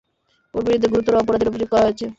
ওর বিরুদ্ধে গুরুতর অপরাধের অভিযোগ করা হয়েছে।